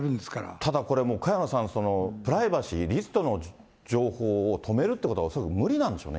ただこれ、もう萱野さん、プライバシー、リストの情報を止めるってことは恐らく無理なんでしょうね。